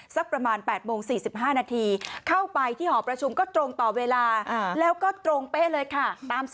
สักประมาณ๘โมง๔๕นาทีเข้าไปที่หอประชุมก็ตรงต่อเวลาแล้วก็ตรงเป๊ะเลยค่ะ